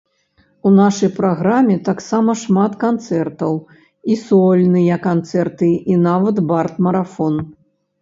У нашай праграме таксама шмат канцэртаў, і сольныя канцэрты і нават бард-марафон.